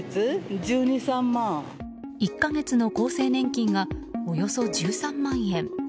１か月の厚生年金がおよそ１３万円。